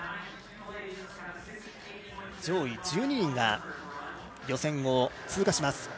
上位１２人が予選を通過します。